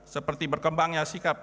seperti berkembangnya sikap